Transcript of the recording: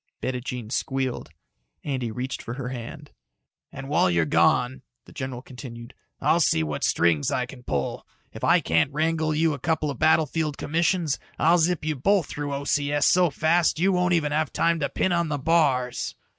Bettijean squealed. Andy reached for her hand. "And while you're gone," the general continued, "I'll see what strings I can pull. If I can't wangle you a couple of battlefield commissions, I'll zip you both through O.C.S. so fast you won't even have time to pin on the bars."